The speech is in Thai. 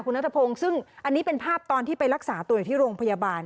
นัทพงศ์ซึ่งอันนี้เป็นภาพตอนที่ไปรักษาตัวอยู่ที่โรงพยาบาล